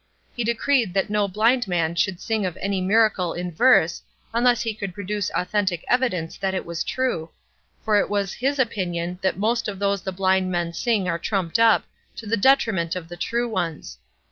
He decreed that no blind man should sing of any miracle in verse, unless he could produce authentic evidence that it was true, for it was his opinion that most of those the blind men sing are trumped up, to the detriment of the true ones.